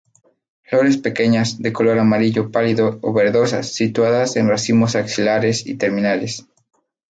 Flores pequeñas, de color amarillo pálido o verdosas, situadas en racimos axilares o terminales.